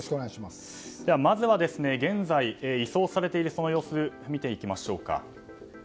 まずは、現在移送されている様子を見ていきましょうか。